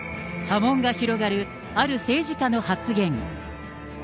波紋が広がるある政治家の発言。